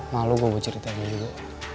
malu gue buat ceritanya juga